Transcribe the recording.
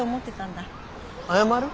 謝る？